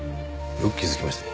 よく気づきましたね。